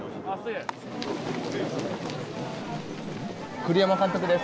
栗山監督です。